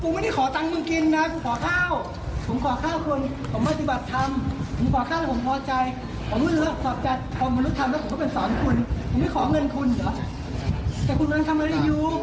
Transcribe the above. มึงยังหวังเงินอยู่ใน